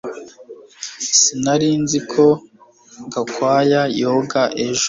Sinari nzi ko Gakwaya yoga ejo